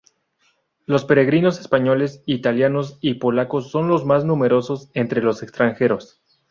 Los peregrinos españoles, italianos y polacos son los más numerosos entre los extranjeros.